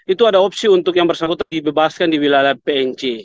itu ada opsi untuk yang bersangkutan dibebaskan di wilayah pnc